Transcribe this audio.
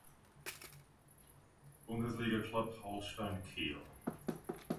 Bundesliga club Holstein Kiel.